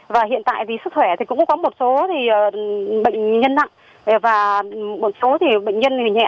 và hiện tại vì sức khỏe thì cũng có một số bệnh nhân nặng và một số bệnh nhân nhẹ